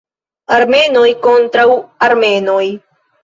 Armenoj kontraŭ Armenoj.